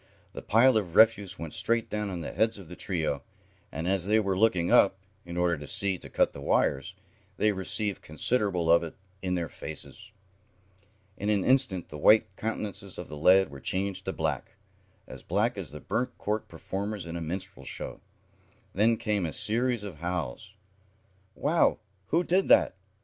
The pile of refuse went straight down on the heads of the trio, and, as they were looking up, in order to see to cut the wires, they received considerable of it in their faces. In an instant the white countenances of the lads were changed to black as black as the burnt cork performers in a minstrel show. Then came a series of howls. "Wow! Who did that!"